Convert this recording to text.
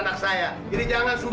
jadi jangan sembarangan nuduh